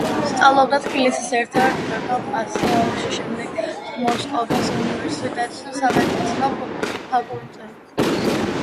სწავლობდა თბილისის ერთ-ერთ კერძო პანსიონში, შემდეგ მოსკოვის უნივერსიტეტის სამედიცინო ფაკულტეტზე.